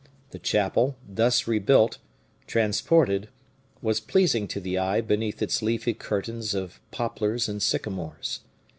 The chapel, thus rebuilt, transported, was pleasing to the eye beneath its leafy curtains of poplars and sycamores.